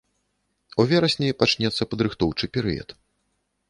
У верасні пачнецца падрыхтоўчы перыяд.